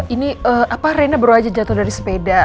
ini apa rena baru aja jatuh dari sepeda